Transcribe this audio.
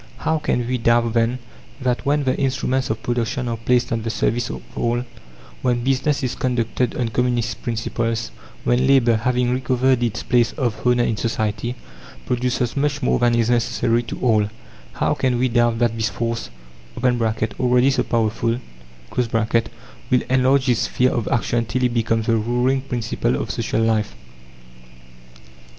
How can we doubt, then, that when the instruments of production are placed at the service of all, when business is conducted on Communist principles, when labour, having recovered its place of honour in society, produces much more than is necessary to all how can we doubt that this force (already so powerful), will enlarge its sphere of action till it becomes the ruling principle of social life?